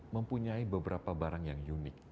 mempunyai beberapa barang yang unik